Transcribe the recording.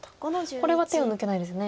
これは手を抜けないですね。